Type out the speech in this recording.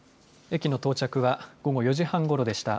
駅の到着は午後４時半ごろでした。